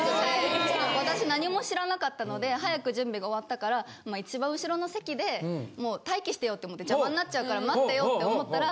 私何も知らなかったので早く準備が終わったから一番後ろの席でもう待機してようって思って邪魔になっちゃうから待ってようって思ったら。